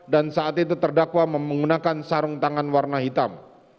dan saat itu terdakwa menggunakan sarung tangan warna hitam